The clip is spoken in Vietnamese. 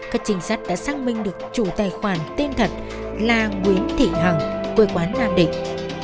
các trinh sát đã xác minh được chủ tài khoản tên thật là nguyễn thị hằng quê quán nam định